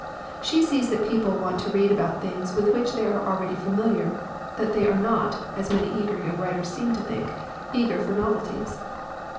She sees that people want to read about the things with which they are already familiar, that they are not (as many young writers seem to think) eager for novelties.